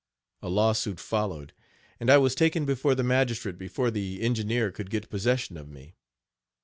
A lawsuit followed, and I was taken before the magistrate before the engineer could get possession of me.